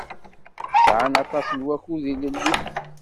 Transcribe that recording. Sɛan aṭas n wakud ilelli.